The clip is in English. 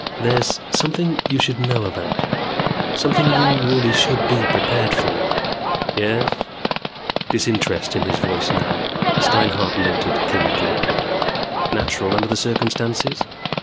"There's something you should know about. Something you really should be prepared for." "Yes?" Disinterest in his voice now, Steinhart noted clinically. Natural under the circumstances?